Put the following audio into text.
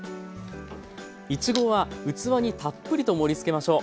いちごは器にたっぷりと盛りつけましょう。